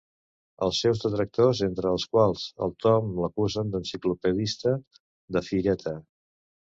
Els seus detractors, entre els quals el Tom, l'acusen d'enciclopedista de fireta.